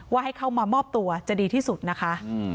ให้เข้ามามอบตัวจะดีที่สุดนะคะ